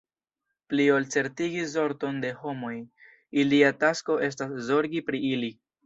Pli ol certigi sorton de homoj, ilia tasko estas zorgi pri ili.